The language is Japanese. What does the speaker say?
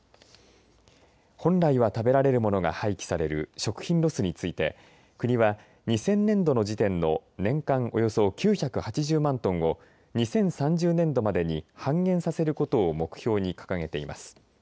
本来は食べられる物が廃棄される食品ロスについて、国は２０００年度の時点の年間およそ９８０万トンを２０３０年度までに半減させることを目標に掲げています。